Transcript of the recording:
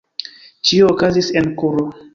Ĉio okazis en kuro.